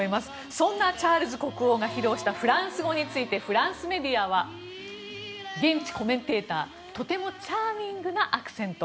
そんなチャールズ国王が披露したフランス語についてフランスメディア現地コメンテーターはとてもチャーミングなアクセント。